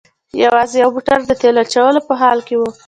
یوازې یو موټر د تیلو اچولو په حال کې و.